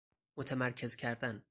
متمرکز کردن